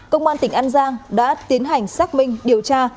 công an tỉnh an giang đã tiến hành xác minh điều tra